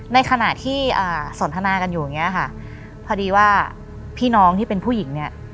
ในขณะที่สนทนากันอยู่อย่างนี้ค่ะพอดีว่าพี่น้องที่เป็นผู้หญิงเนี่ย